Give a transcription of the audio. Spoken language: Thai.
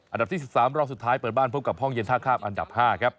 อันดับที่๑๓รอบสุดท้ายเปิดบ้านพบกับห้องเย็นท่าข้ามอันดับ๕ครับ